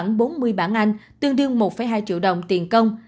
người đàn ông nhận khoảng bốn mươi bản anh tương đương một hai triệu đồng tiền công